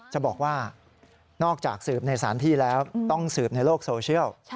จะบอกว่านอกจากสืบในสารที่แล้วต้องสืบในโลกโซเชียล